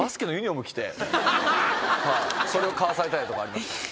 それを買わされたりとかありましたね。